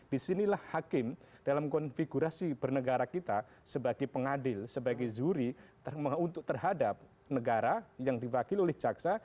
disinilah hakim dalam konfigurasi bernegara kita sebagai pengadil sebagai zuri untuk terhadap negara yang diwakil oleh jaksa